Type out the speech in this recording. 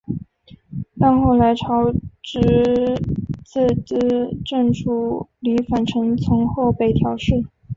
但后来朝直自资正处离反臣从后北条氏。